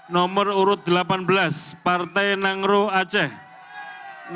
nomor urut delapan belas partai persatuan pembangunan